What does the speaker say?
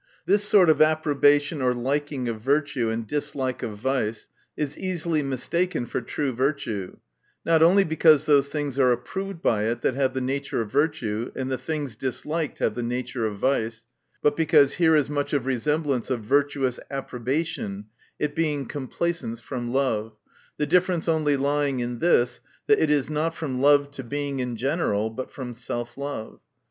This sort of approbation or liking of virtue, and dislike ct vice, is easily mistaken for true virtue, not only because those things are ap proved by it that have the nature of virtue, and the things disliked have the nature of vice, but because here is much resemblance of virtuous approbation, it being complacence from love ; the difference only lying in this, that it is not from love to Being in general, but from self love.